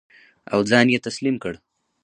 او ځان یې تسلیم کړ.